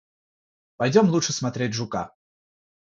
Пойдем лучше смотреть жука.